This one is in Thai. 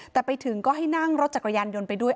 แต่ไปถึงก็ให้นั่งรถจักรยานยนต์ไปด้วย